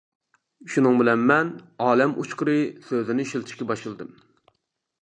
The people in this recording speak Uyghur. شۇنىڭ بىلەن مەن «ئالەم ئۇچقۇرى» سۆزىنى ئىشلىتىشكە باشلىدىم.